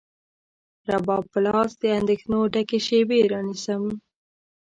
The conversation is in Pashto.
رباب په لاس، د اندېښنو ډکې شیبې رانیسم